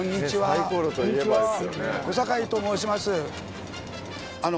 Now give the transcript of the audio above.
小堺と申します。